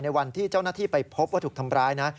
วันที่เจ้าหน้าที่ไปพบว่าถูกทำร้ายนะ